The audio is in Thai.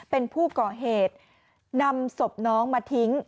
เป็นผู้ก่อเหตุนำศพน้องมาทิ้ง